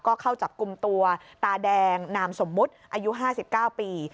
ก็เข้าจับกลุ่มตัวตาแดงนามสมมุติอายุ๕๙ปี